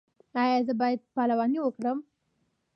ایا زه باید پلوانی وکړم؟